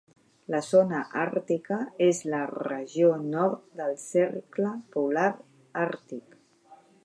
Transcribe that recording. La zona àrtica és la regió nord del cercle polar àrtic.